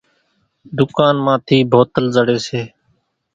ۮُڪانَ مان ٿِي بوتل زڙيَ سي۔